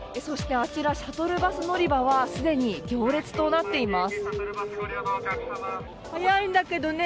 シャトルバス乗り場はすでに行列となっています。